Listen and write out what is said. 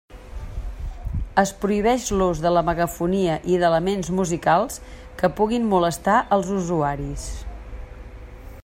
Es prohibeix l'ús de la megafonia i d'elements musicals que puguin molestar els usuaris.